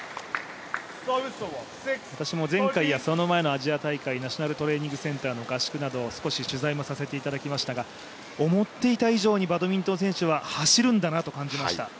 私も前回やその前のアジア大会でナショナルトレーニングセンターの合宿などの取材を少しさせていただきましたが、思っていた以上にバドミントン選手は走るんだなと感じました。